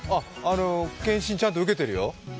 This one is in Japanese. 健診ちゃんと受けてるよ。